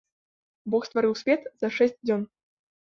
Бог стварыў свет за шэсць дзён.